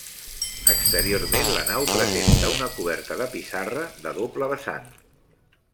Exteriorment la nau presenta una coberta de pissarra de doble vessant.